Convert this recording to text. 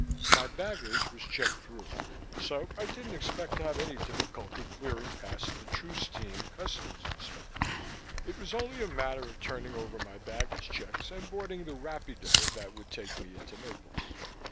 My baggage was checked through, so I didn't expect to have any difficulty clearing past the truce team Customs inspectors. It was only a matter of turning over my baggage checks, and boarding the rapido that would take me into Naples.